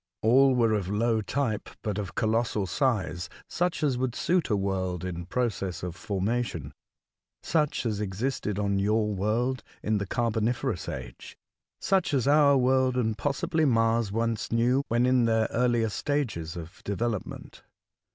All were of low type, but of colossal size, such as would suit a world in pro cess of formation, — such as existed on your world in the carboniferous age, — such as our world and, possibly. Mars once knew, when in their earlier stages of development.